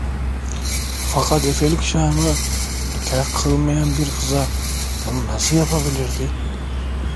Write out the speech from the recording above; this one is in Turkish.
Fakat efelik şanı, nikâh kıyılmayan bir kıza bunu nasıl yapabilirdi!